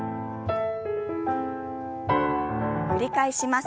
繰り返します。